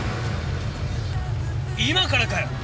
今からかよ！